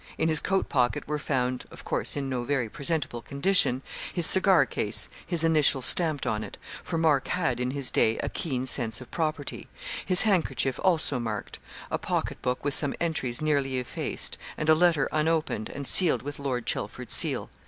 In his coat pocket were found (of course, in no very presentable condition) his cigar case, his initials stamped on it, for Mark had, in his day, a keen sense of property; his handkerchief, also marked; a pocket book with some entries nearly effaced; and a letter unopened, and sealed with Lord Chelford's seal.